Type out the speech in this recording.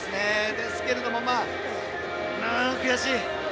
ですけれども、悔しい。